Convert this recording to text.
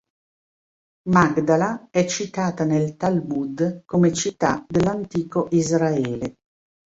Magdala è citata nel Talmud come città dell'antico Israele.